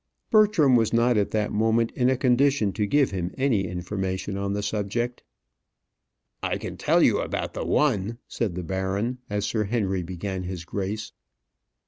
Bertram was not at that moment in a condition to give him any information on the subject. "I can tell you about the one," said the baron, as Sir Henry began his grace.